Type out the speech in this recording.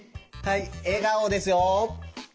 はい笑顔ですよ。